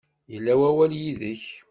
Yelha wawal yid-k.